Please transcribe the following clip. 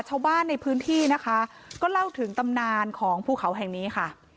ชาวบ้านในพื้นที่นะคะก็เล่าถึงตำนานของภูเขาแห่งนี้ค่ะ